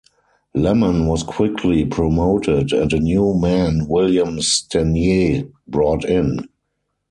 Lemon was quickly promoted and a new man William Stanier brought in.